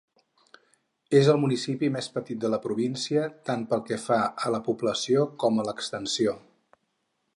És el municipi més petit de la província tant pel que fa a la població com a l'extensió.